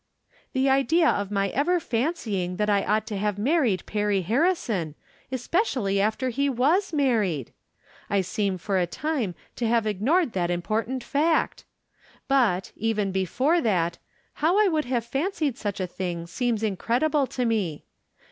The idea of my ever fancying that I ought to From Different Standpoints. 361 have married Perry Harrison, especially after lie was married ! I seem for a time to have ignored that important fact. But, even before that, how I could have fancied such a thing seems incredi ble to me.